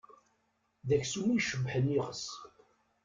D aksum i icebbḥen iɣes.